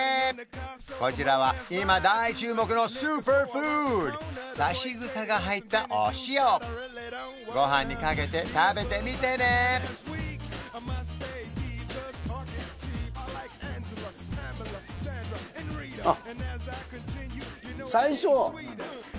こちらは今大注目のスーパーフードさし草が入ったお塩ご飯にかけて食べてみてねあっ